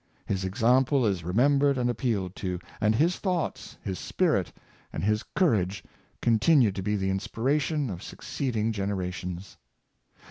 His exam ple is remembered and appealed to, and his thoughts, his spirit, and his courage continue to be the inspiration of succeeding generations.